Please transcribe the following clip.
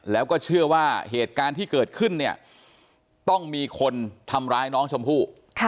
แล้วก็เชื่อว่าเหตุการณ์ที่เกิดขึ้นเนี่ยต้องมีคนทำร้ายน้องชมพู่